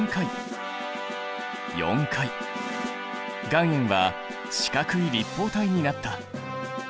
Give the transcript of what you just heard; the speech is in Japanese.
岩塩は四角い立方体になった。